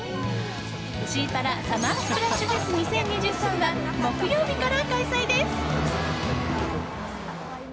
シーパラサマースプラッシュフェス２０２３は木曜日から開催です。